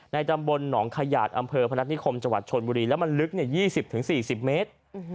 ตำบลหนองขยาดอำเภอพนัฐนิคมจังหวัดชนบุรีแล้วมันลึก๒๐๔๐เมตร